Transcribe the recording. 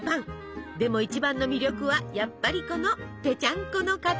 でも一番の魅力はやっぱりこのぺちゃんこの形。